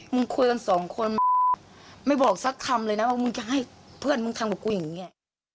มึงคุยกันสองคนไม่บอกสักคำเลยนะว่ามึงจะให้เพื่อนมึงทำกับกูอย่างนี้